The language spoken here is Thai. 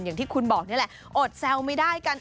อย่างที่คุณบอกนี่แหละอดแซวไม่ได้กัน